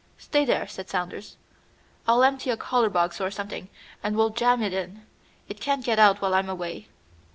"Stay there," said Saunders. "I'll empty a collar box or something, and we'll jam it in. It can't get out while I'm away."